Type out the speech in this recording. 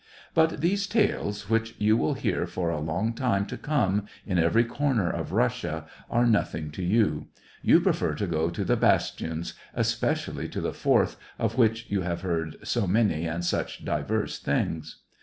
But these tales, which you will hear for a long time to come in every corner of Russia, are nothing to you ; you prefer to go to the bastions, especially to the fourth, of which you have heard so many and such diverse things.